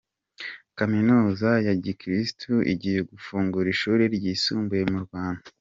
Kaminuza ya Gikirisitu igiye gufungura ishuri ryisumbuye mu Rwanda